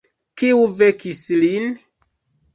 Kiu vekis lin?